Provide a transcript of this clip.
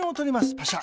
パシャ。